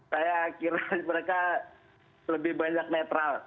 saya kira mereka lebih banyak netral